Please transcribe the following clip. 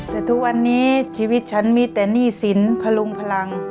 แต่ทุกวันนี้ชีวิตฉันมีแต่หนี้สินพลุงพลัง